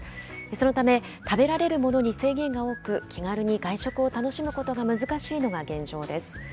そのため、食べられるものに制限が多く、気軽に外食を楽しむことが難しいのが現状です。